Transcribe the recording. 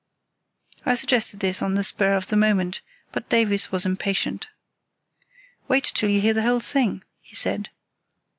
I suggested this on the spur of the moment, but Davies was impatient. "Wait till you hear the whole thing," he said.